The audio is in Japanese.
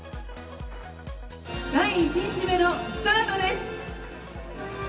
第１日目のスタートです。